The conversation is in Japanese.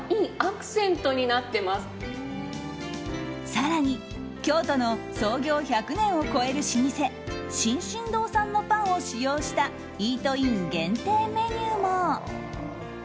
更に京都の創業１００年を超える老舗進々堂さんのパンを使用したイートイン限定メニューも。